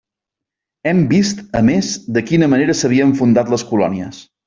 Hem vist, a més, de quina manera s'havien fundat les colònies.